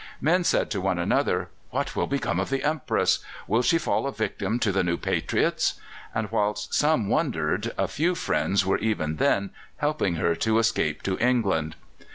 Men said to one another: "What will become of the Empress?" "Will she fall a victim to the new patriots?" And whilst some wondered, a few friends were even then helping her to escape to England.